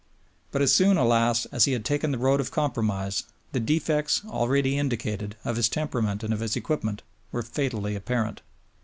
But as soon, alas, as he had taken the road of compromise, the defects, already indicated, of his temperament and of his equipment, were fatally apparent.